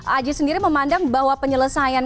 aji sendiri memandang bahwa penyelesaian